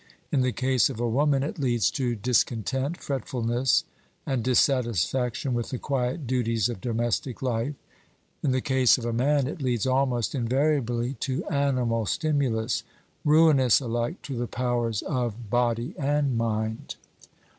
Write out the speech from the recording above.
In the case of a woman, it leads to discontent, fretfulness, and dissatisfaction with the quiet duties of domestic life; in the case of a man, it leads almost invariably to animal stimulus, ruinous alike to the powers of body and mind.